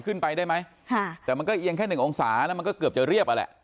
ขึ้นไปได้ไหมค่ะแต่มันก็เอียงแค่หนึ่งองศาแล้วมันก็เกือบจะเรียบอ่ะแหละ